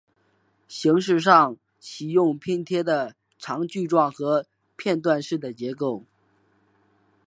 形式上喜用拼贴的长矩状和片段式的结构。